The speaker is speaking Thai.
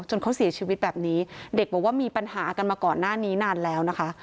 เขาเสียชีวิตแบบนี้เด็กบอกว่ามีปัญหากันมาก่อนหน้านี้นานแล้วนะคะ